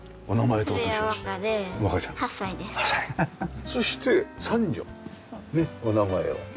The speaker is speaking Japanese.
お名前を。